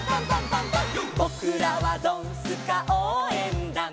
「ぼくらはドンスカおうえんだん」